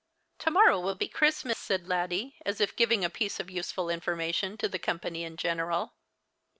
" To morrow will be Christmas," said Laddie, as if gi\ing a piece of useful information to the company in general.